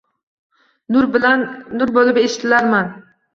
Nur boʼlib eshilarman